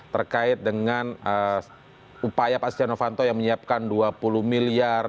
terkait dengan upaya pak setia novanto yang menyiapkan dua puluh miliar